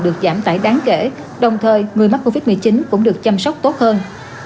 được giảm tải đáng kể đồng thời người mắc covid một mươi chín cũng được chăm sóc tốt hơn